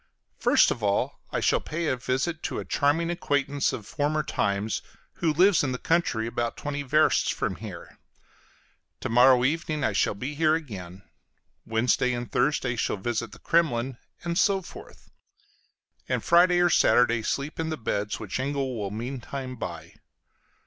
First of all I shall pay a visit to a charming acquaintance of former times, who lives in the country, about twenty versts from here; to morrow evening I shall be here again; Wednesday and Thursday shall visit the Kremlin and so forth; and Friday or Saturday sleep in the beds which Engel will meantime buy.